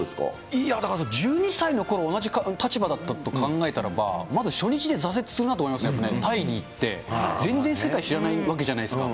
いや、だから１２歳のころ、同じ立場だったと考えたら、まず初日で挫折するなと思いましたね、タイに行って、全然世界知らないわけじゃないですか。